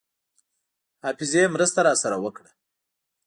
حافظې مرسته راسره وکړه.